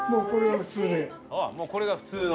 もうこれが普通の？